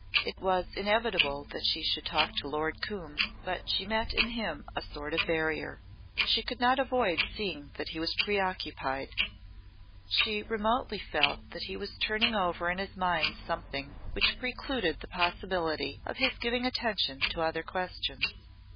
It was inevitable that she should talk to Lord Coombe but she met in him a sort of barrier. She could not avoid seeing that he was preoccupied. She remotely felt that he was turning over in his mind something which precluded the possibility of his giving attention to other questions.